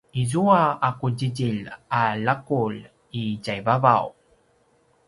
izua a qudjidjilj a laqulj i tjaivavaw